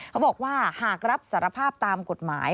เขาบอกว่าหากรับสารภาพตามกฎหมาย